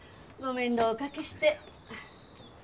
ごめんどうおかけして。